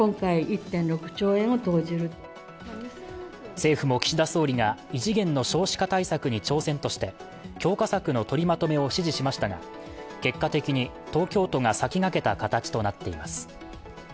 政府も岸田総理が異次元の少子化対策に挑戦として、強化策の取りまとめを指示しましたが結果的に、東京都が先駆けた形となっています。